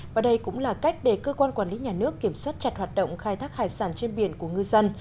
và đây cũng là cách để cơ quan quản lý nhà nước kiểm soát chặt hoạt động khai thác hải sản trên biển của ngư dân